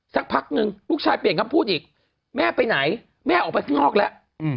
สักพักนึงลูกชายเปลี่ยนคำพูดอีกแม่ไปไหนแม่ออกไปข้างนอกแล้ว